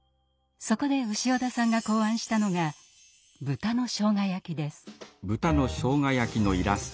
そこで潮田さんが考案したのが豚のしょうが焼です。